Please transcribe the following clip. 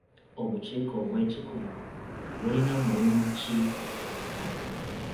Obukiiko obw'ekikugu bulina mulimu ki?